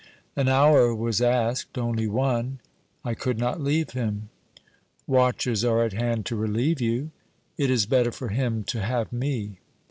'An hour was asked, only one.' 'I could not leave him.' 'Watchers are at hand to relieve you' 'It is better for him to have me.'